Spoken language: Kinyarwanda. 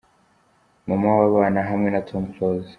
Mama w’abana hamwe na Tom Close.